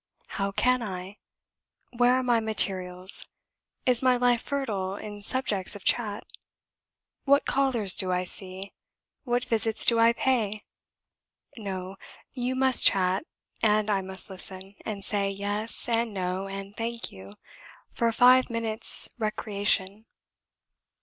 How can I? Where are my materials? Is my life fertile in subjects of chat? What callers do I see? What visits do I pay? No, you must chat, and I must listen, and say 'Yes,' and 'No,' and 'Thank you!' for five minutes' recreation.